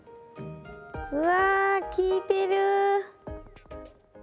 うわ効いてる！